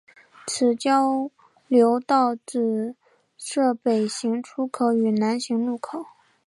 此交流道只设北行出口与南行入口。